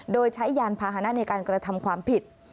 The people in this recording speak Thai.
โดยใช้ยานพาหนะในการกระทำความผิด